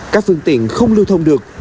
các phương tiện không lưu thông được